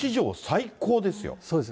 そうです。